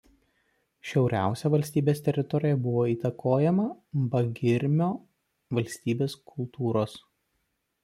Šiauriausia valstybės teritorija buvo įtakojama Bagirmio valstybės kultūros.